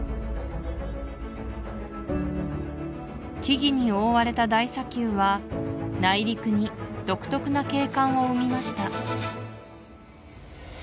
木々に覆われた大砂丘は内陸に独特な景観を生みました